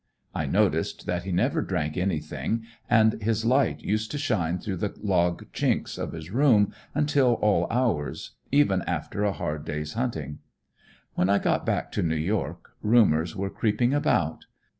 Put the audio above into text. I noticed that he never drank anything, and his light used to shine through the log chinks of his room until all hours, even after a hard day's hunting. When I got back to New York, rumors were creeping about.